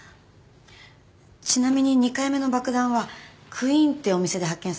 ちなみに２回目の爆弾はＱｕｅｅｎってお店で発見されたそうです。